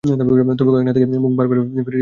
তবে কয়েক নেতাকে মুখ ভার করে ফিরে যেতে দেখে সে।